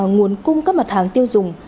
nguồn cung các mặt hàng tiêu dùng